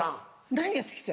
何が好きさ？